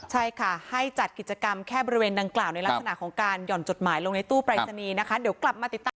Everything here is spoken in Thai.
ใช่ค่ะให้จัดกิจกรรมแค่บริเวณดังกล่าวในลักษณะของการหย่อนจดหมายลงในตู้ปัจจันนี้